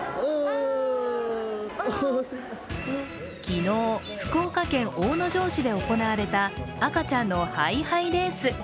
昨日、福岡県大野城市で行われた赤ちゃんのハイハイレース。